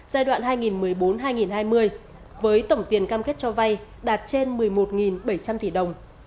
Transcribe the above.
giai đoạn hai nghìn một mươi bốn hai nghìn hai mươi với tổng tiền cam kết cho vay đạt trên một mươi một bảy trăm linh tỷ đồng